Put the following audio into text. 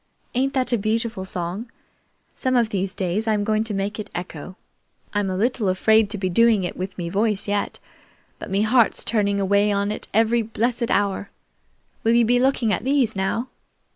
Ain't that a beautiful song? Some of these days I'm going to make it echo. I'm a little afraid to be doing it with me voice yet, but me heart's tuning away on it every blessed hour. Will you be looking at these now?"